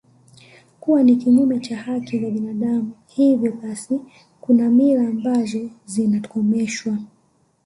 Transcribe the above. kuwa ni kinyume cha haki za binadamu hivyo basi kuna mila ambazo zinakomeshwa